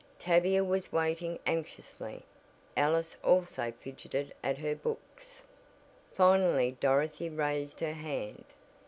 Tavia was waiting anxiously. Alice also fidgeted at her books. Finally Dorothy raised her hand.